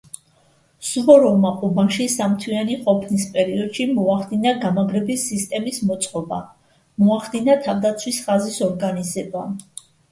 სუვოროვმა ყუბანში სამთვიანი ყოფნის პერიოდში მოახდინა გამაგრების სისტემის მოწყობა, მოახდინა თავდაცვის ხაზის ორგანიზება.